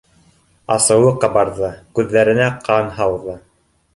Асыуы ҡабарҙы, күҙҙәренә ҡан һауҙы